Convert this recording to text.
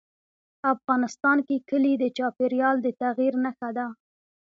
افغانستان کې کلي د چاپېریال د تغیر نښه ده.